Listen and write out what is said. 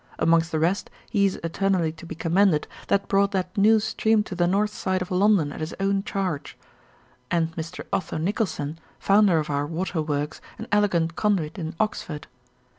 Amongst the rest he is eternally to be commended, that brought that new stream to the north side of London at his own charge: and Mr. Otho Nicholson, founder of our waterworks and elegant conduit in Oxford.